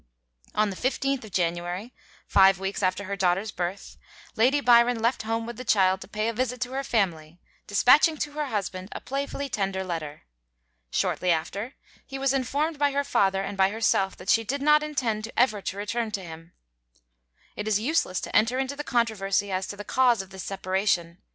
On the 15th of January, five weeks after her daughter's birth, Lady Byron left home with the child to pay a visit to her family, dispatching to her husband a playfully tender letter. Shortly after, he was informed by her father and by herself that she did not intend ever to return to him. It is useless to enter into the controversy as to the cause of this separation.